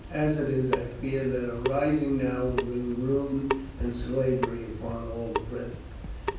As it is, I fear that a rising now will bring ruin and slavery upon all Britain."